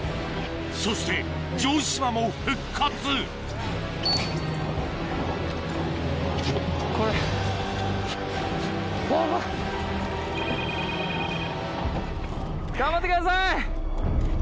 そして城島も復活これヤバい。頑張ってください！